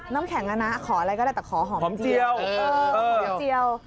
น้ำแข็งอ่ะนะขออะไรก็ได้แต่ขอหอมเจียวหอมเจียว